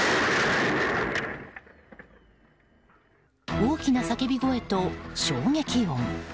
大きな叫び声と衝撃音。